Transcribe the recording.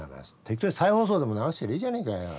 適当に再放送でも流してりゃいいじゃねえかよ。